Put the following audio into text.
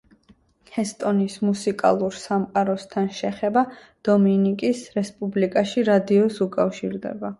ჰესტონის მუსიკალურ სამყაროსთან შეხება დომინიკის რესპუბლიკაში რადიოს უკავშირდება.